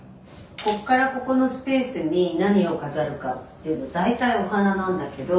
「ここからここのスペースに何を飾るかっていうの大体お花なんだけど」